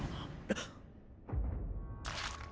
あっ。